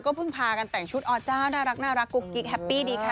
เพิ่งพากันแต่งชุดอเจ้าน่ารักกุ๊กกิ๊กแฮปปี้ดีค่ะ